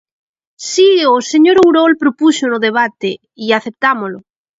Si, o señor Ourol propúxoo no debate e aceptámolo.